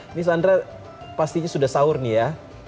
ini sandra pastinya sudah sahur nih ya